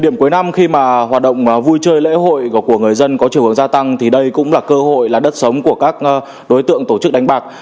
điểm cuối năm khi mà hoạt động vui chơi lễ hội của người dân có chiều hướng gia tăng thì đây cũng là cơ hội là đất sống của các đối tượng tổ chức đánh bạc